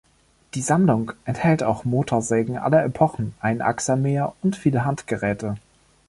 Die Sammlung enthält auch Motorsägen aller Epochen, Einachser-Mäher und viele Handgeräte.